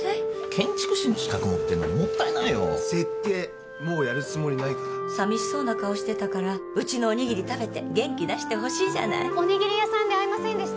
建築士の資格持ってんのにもったいないよ設計もうやるつもりないから寂しそうな顔してたからうちのおにぎり食べて元気出してほしいじゃないおにぎり屋さんで会いませんでした？